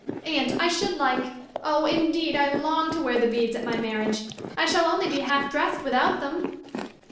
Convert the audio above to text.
"Aunt, I should like oh, indeed I long to wear the beads at my marriage. I shall only be half dressed without them."